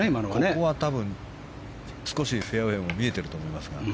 ここは多分少しフェアウェーも見えてると思いますが。